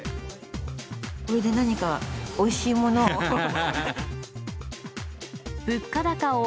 これで何かおいしいものを。